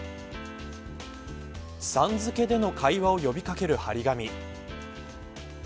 さん付けでの会話を呼びかける張り紙。